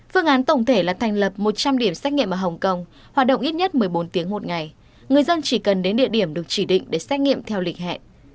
phương án tổng thể là thành lập một trăm linh điểm xét nghiệm ở hồng kông hoạt động ít nhất một mươi bốn tiếng một ngày người dân chỉ cần đến địa điểm được chỉ định để xét nghiệm theo lịch hẹn